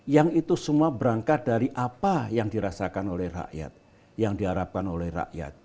yang itu semua berangkat dari apa yang dirasakan oleh rakyat yang diharapkan oleh rakyat